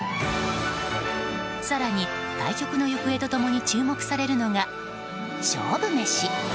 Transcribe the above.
更に対局の行方と共に注目されるのが勝負メシ。